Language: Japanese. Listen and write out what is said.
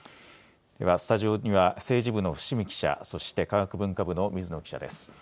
では、スタジオには政治部の伏見記者そして科学文化部の水野記者です。